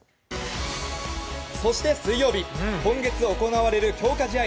そして水曜日、今月行われる強化試合